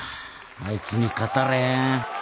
いつに勝たれへん。